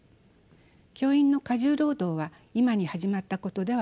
教員の過重労働は今に始まったことではありません。